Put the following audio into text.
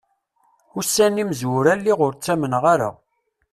Ussan imezwura lliɣ ur t-ttamneɣ ara.